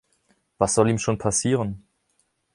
Was soll ihm schon passieren?